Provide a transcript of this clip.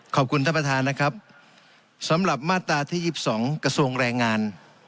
ขอบคุณท่านประธานนะครับสำหรับมาตราที่๒๒กระทรวงแรงงาน